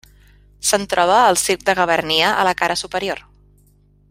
Se'n troba el circ de Gavarnia a la cara superior.